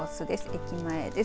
駅前です。